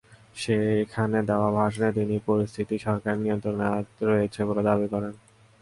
সেখানে দেওয়া ভাষণে তিনি পরিস্থিতি সরকারের নিয়ন্ত্রণে রয়েছে বলে দাবি করেন।